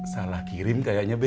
salah kirim kayaknya be